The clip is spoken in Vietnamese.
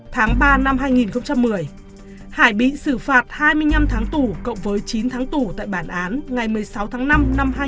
tháng ba năm hai nghìn một mươi hải bị xử phạt hai mươi năm tháng tù cộng với chín tháng tù tại bản án ngày một mươi sáu tháng năm năm hai nghìn một mươi bảy